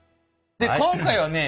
今回はね